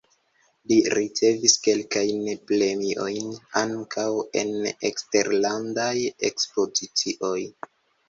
Li ricevis kelkajn premiojn, ankaŭ en eksterlandaj ekspozicioj.